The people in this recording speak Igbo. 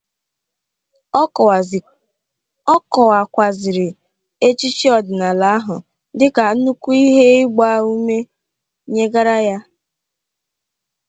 ọ kọwakwazịrị echichi ọdịnala ahụ dịka nnukwu ihe ịgbà ume nyegara ya